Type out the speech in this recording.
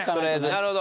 なるほど。